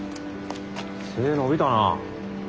背伸びたなあ。